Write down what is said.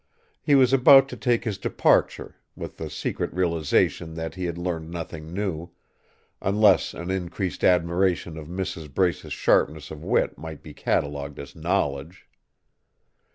He was about to take his departure, with the secret realization that he had learned nothing new unless an increased admiration of Mrs. Brace's sharpness of wit might be catalogued as knowledge.